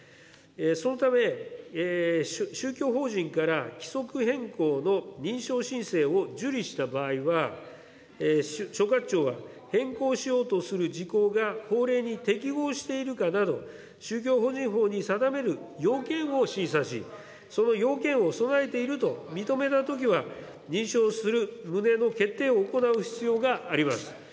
そのため、宗教法人から規則変更の認証申請を受理した場合は、所轄庁が変更しようとする事項が法令に適合しているかなど、宗教法人法に定める要件を審査し、その要件を備えていると認めたときは、認証する旨の決定を行う必要があります。